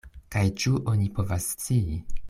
Kaj ĉu oni povas scii?